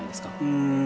うん。